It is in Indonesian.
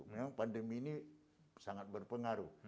memang pandemi ini sangat berpengaruh